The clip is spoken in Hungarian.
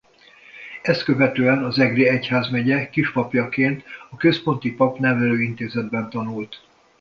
Ezt követően az egri egyházmegye kispapjaként a Központi Papnevelő Intézetben tanult.